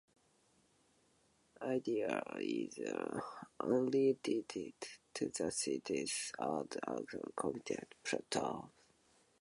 "Idea" is unrelated to the sentence and the context provided.